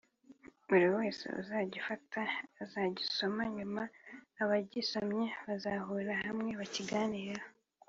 buri wese uzagifata azagisoma nyuma abagisomye bazahurira hamwe bakiganireho